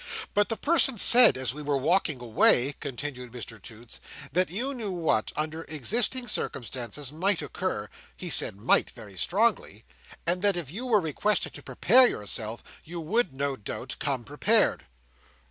"But the person said, as we were walking away," continued Mr Toots, "that you knew what, under existing circumstances, might occur—he said 'might,' very strongly—and that if you were requested to prepare yourself, you would, no doubt, come prepared."